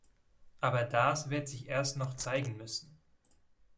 Aber das wird sich erst noch zeigen müssen.